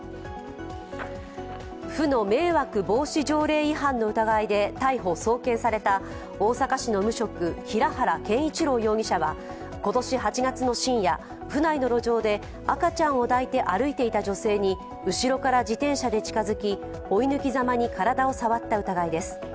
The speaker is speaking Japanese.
府の迷惑防止条例違反の疑いで逮捕・送検された大阪市の無職、平原健一郎容疑者は今年８月の深夜、府内の路上で赤ちゃんを抱いて歩いていた女性に後ろから自転車で近づき、追い抜きざまに体を触った疑いです。